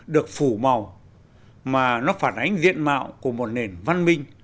được phủ màu mà nó phản ánh diện mạo của một nền văn minh